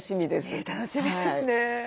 ねえ楽しみですね。